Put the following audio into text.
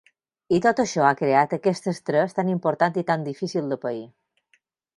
I tot això ha creat aquest estrès tan important i tan difícil de pair.